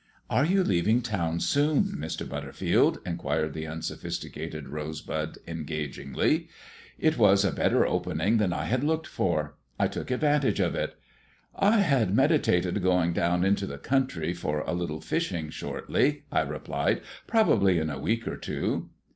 "Are you leaving town soon, Mr. Butterfield?" inquired the unsophisticated rosebud engagingly. It was a better opening than I had looked for; I took advantage of it. "I had meditated going down into the country for a little fishing shortly," I replied; "probably in a week or two."